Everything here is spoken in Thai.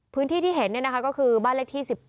พื้นที่ที่เห็นเนี่ยนะคะก็คือบ้านเลขที่๑๘